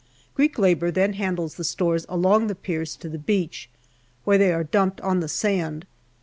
Greek labour then handles the stores along the piers to the beach, where they are dumped on the sand.